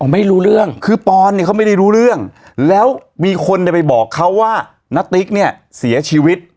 ไม่รู้เรื่องคือปอนเนี่ยเขาไม่ได้รู้เรื่องแล้วมีคนไปบอกเขาว่าณติ๊กเนี่ยเสียชีวิต